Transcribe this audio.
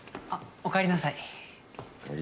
おかえりなさい。